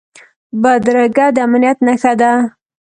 بدرګه د امنیت نښه ده